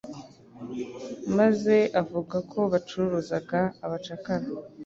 maze avuga ko bacuruzaga abacakara